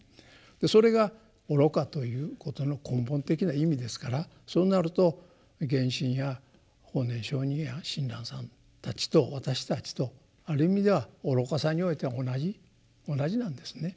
それが愚かということの根本的な意味ですからそうなると源信や法然上人や親鸞さんたちと私たちとある意味では愚かさにおいては同じ同じなんですね。